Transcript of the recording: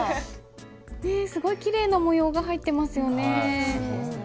すごいきれいな模様が入ってますよね。